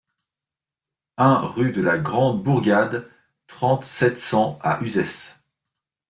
un rue de la Grande Bourgade, trente, sept cents à Uzès